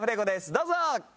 どうぞ！